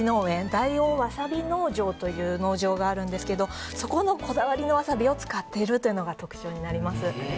大王わさび農場という農場があるんですけどそこのこだわりのわさびを使っているのが特徴になります。